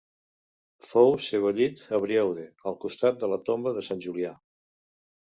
Fou sebollit a Brioude, al costat de la tomba de sant Julià.